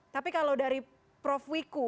tapi kalau dari prof wiku